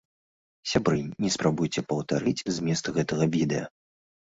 Сябры, не спрабуйце паўтарыць змест гэтага відэа.